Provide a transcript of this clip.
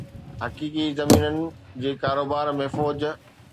حقيقي زمينن جي ڪاروبار ۾ فوج